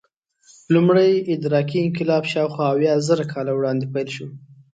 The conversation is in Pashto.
لومړی ادراکي انقلاب شاوخوا اویازره کاله وړاندې پیل شو.